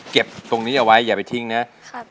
เก็บตรงนี้เอาไว้อย่าไปทิ้งนะครับ